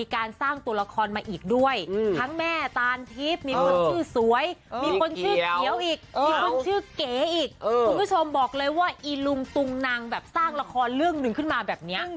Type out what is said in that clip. คุณผู้ชมบอกเลยว่าอีลุงตุงนางแบบสร้างละครเรื่องหนึ่งขึ้นมาแบบเนี่ย